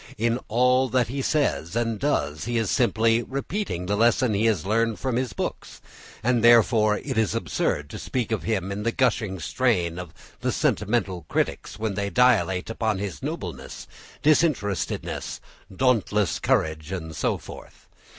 In all that he says and does he is simply repeating the lesson he has learned from his books; and therefore, it is absurd to speak of him in the gushing strain of the sentimental critics when they dilate upon his nobleness, disinterestedness, dauntless courage, and so forth.